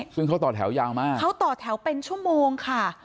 ซึ่งเขาต่อแถวยาวมากเขาต่อแถวเป็นชั่วโมงค่ะ